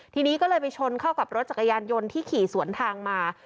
ทีนี้ก็เลยไปชนเข้ากับรถจักรยานยนต์ที่ขี่สวนทางมา